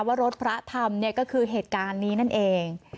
ว่ารถพระทำก็คือเหตุการณ์นี้นั่นเอง